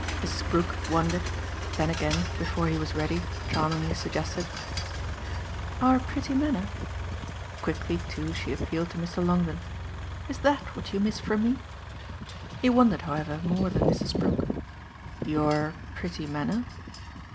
Mrs. Brook wondered, then again, before he was ready, charmingly suggested: "Our pretty manner?" Quickly too she appealed to Mr. Longdon. "Is THAT what you miss from me?" He wondered, however, more than Mrs. Brook. "Your 'pretty manner'?"